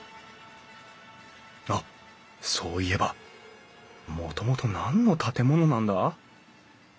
あっそういえばもともと何の建物なんだ？